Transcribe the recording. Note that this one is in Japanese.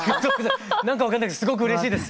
なんか分かんないけどすごくうれしいです！